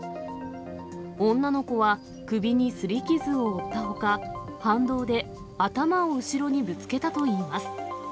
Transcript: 女の子は首にすり傷を負ったほか、反動で頭を後ろにぶつけたといいます。